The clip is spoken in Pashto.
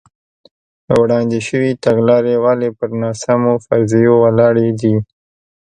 وړاندې شوې تګلارې ولې پر ناسمو فرضیو ولاړې دي.